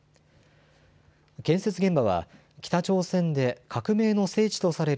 建設現場は北朝鮮で革命の聖地とされる